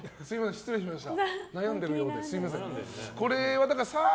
失礼しました。